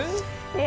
え？